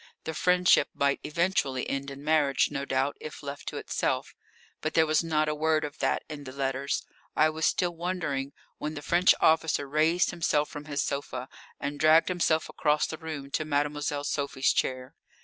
The friendship might eventually end in marriage, no doubt, if left to itself, but there was not a word of that in the letters. I was still wondering, when the French officer raised himself from his sofa and dragged himself across the room to Mademoiselle Sophie's chair.